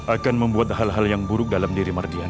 akan membuat hal hal yang buruk dalam diri mardian